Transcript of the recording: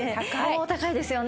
お高いですよね